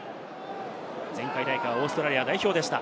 前回大会オーストラリア代表でした。